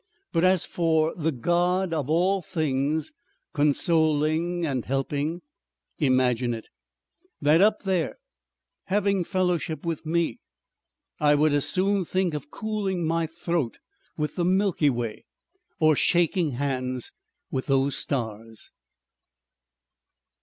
"But as for the God of All Things consoling and helping! Imagine it! That up there having fellowship with me! I would as soon think of cooling my throat with the Milky Way or shaking hands with those stars."